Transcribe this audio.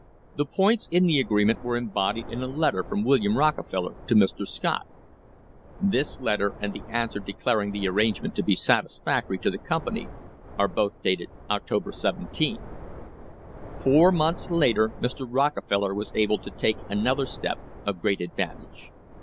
The points in the agreement were embodied in a letter from William Rockefeller to Mr. Scott. This letter and the answer declaring the arrangement to be satisfactory to the company are both dated October iy. \ Four months later Mr. Rockefeller was able to take another step of great advantage.